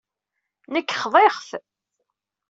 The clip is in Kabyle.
Nekk xḍiɣ-t.